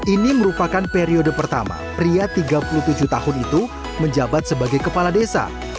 ini merupakan periode pertama pria tiga puluh tujuh tahun itu menjabat sebagai kepala desa